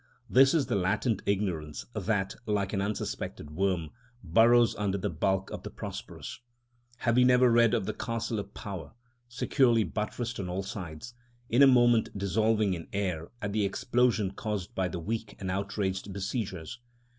This is the latent ignorance that, like an unsuspected worm, burrows under the bulk of the prosperous. Have we never read of the castle of power, securely buttressed on all sides, in a moment dissolving in air at the explosion caused by the weak and outraged besiegers?